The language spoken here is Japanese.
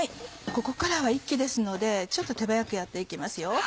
ここからは一気ですのでちょっと手早くやって行きますよ。